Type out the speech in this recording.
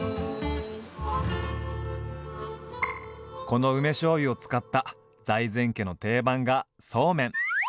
この梅しょうゆを使った財前家の定番がそうめん。